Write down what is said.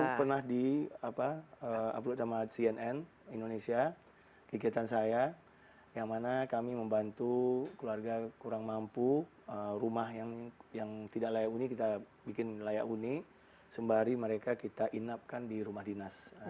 itu pernah di upload sama cnn indonesia kegiatan saya yang mana kami membantu keluarga kurang mampu rumah yang tidak layak uni kita bikin layak unik sembari mereka kita inapkan di rumah dinas